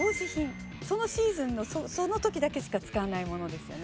そのシーズンのその時だけしか使わないものですよね？